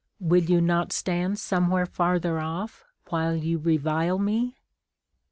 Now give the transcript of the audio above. Avill you not stand somewhere farther off, while you revile me ?